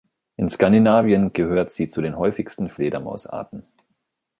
In Skandinavien gehört sie zu den häufigsten Fledermausarten.